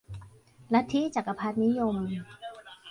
ลัทธิจักรพรรดินิยม